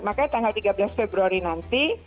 makanya tanggal tiga belas februari nanti